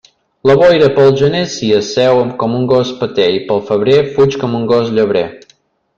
La boira, pel gener, s'hi asseu com un gos peter, i pel febrer fuig com un gos llebrer.